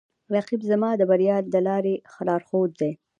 رقیب زما د بریا د لارې لارښود دی